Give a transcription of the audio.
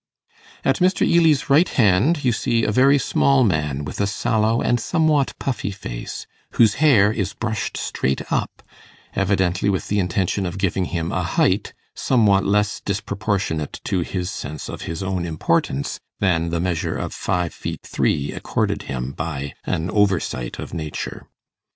At Mr. Ely's right hand you see a very small man with a sallow and somewhat puffy face, whose hair is brushed straight up, evidently with the intention of giving him a height somewhat less disproportionate to his sense of his own importance than the measure of five feet three accorded him by an oversight of nature.